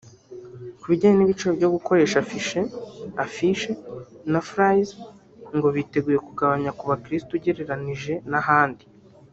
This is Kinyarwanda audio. Ku bijyanye n’ibiciro byo gukoresha afishe (affiche) na flies ngo biteguye kugabanya ku bakristo ugereranije n’ahandi